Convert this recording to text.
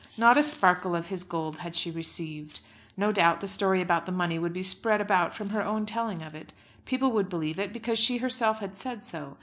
Not a sparkle of his gold had she received. No doubt the story about the money would be spread about from her own telling of it. People would believe it because she herself had said so.